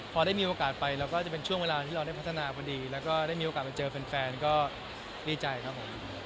พอได้มีโอกาสไปเราก็จะเป็นช่วงเวลาที่เราได้พัฒนาพอดีแล้วก็ได้มีโอกาสไปเจอแฟนก็ดีใจครับผม